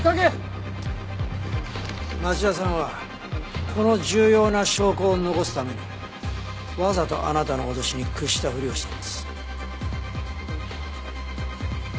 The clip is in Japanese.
町田さんはこの重要な証拠を残すためにわざとあなたの脅しに屈したふりをしたんです。